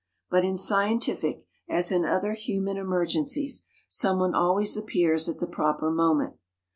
But in scientific, as in other human emergencies, someone always appears at the proper moment.